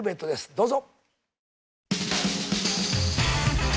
どうぞ。